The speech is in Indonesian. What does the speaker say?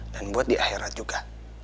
dan buat di akhirat juga